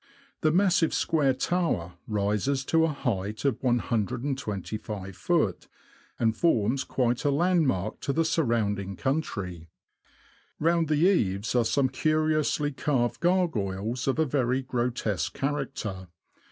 The massive square tower rises to a height of 125ft., and forms quite a land mark to the surrounding country. Round the eaves are some curiously carved gargoyles, of a very grotesque character.